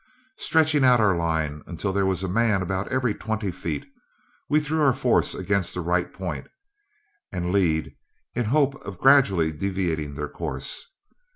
Stretching out our line until there was a man about every twenty feet, we threw our force against the right point and lead in the hope of gradually deviating their course.